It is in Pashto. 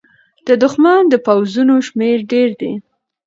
د دښمن د پوځونو شمېر ډېر دی.